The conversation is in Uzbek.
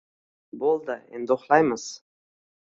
Bo‘ldi, endi uxlaymiz.